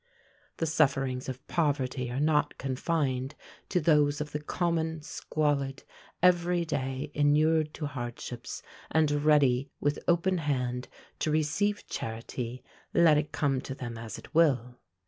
The sufferings of poverty are not confined to those of the common, squalid, every day inured to hardships, and ready, with open hand, to receive charity, let it come to them as it will.